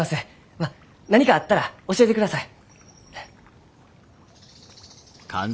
まあ何かあったら教えてください。